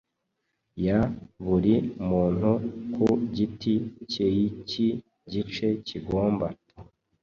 ya buri muntu ku giti cyeiki gice kigomba